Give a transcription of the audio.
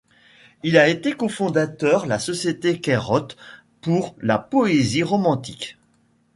Il a été cofondateur la Société cairote pour la poésie romantique.